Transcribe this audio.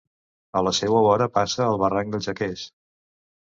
A la seua vora passa el barranc del Jaqués.